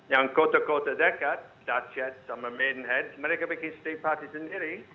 yang kota kota dekat dutch head sama maiden head mereka bikin state party sendiri